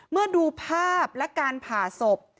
เมื่อดูภาพและการผ่าศพ